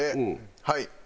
はい！